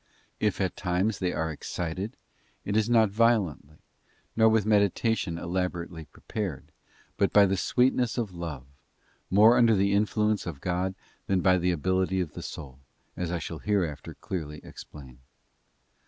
If at times they are excited, it is not violently, nor with meditation elaborately prepared, but by the sweetness of love, more under the influence of God than by the ability of the soul, as I shall hereafter clearly explain.